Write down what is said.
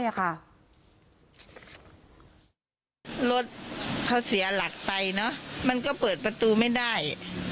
รถเขาเสียหลักไปมันก็เปิดประตูไม่ได้